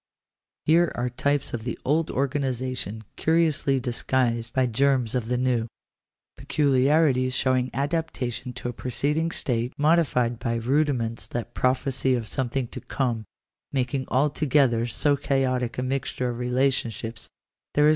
Here are types of the old organization curiously disguised by germs of the new — pecu liarities showing adaptation to a preceding state modified by rudiments that prophecy of something to come — making alto gether so chaotic a mixture of relationships that there is Digitized by VjOOQIC THE RIGHT TO IGNORE THE STATE.